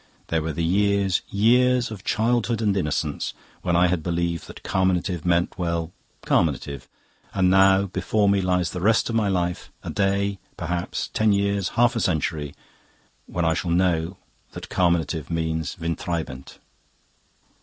There were the years years of childhood and innocence when I had believed that carminative meant well, carminative. And now, before me lies the rest of my life a day, perhaps, ten years, half a century, when I shall know that carminative means windtreibend.